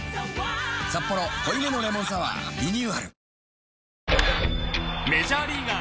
「サッポロ濃いめのレモンサワー」リニューアル